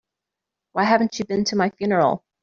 Why haven't you been to my funeral?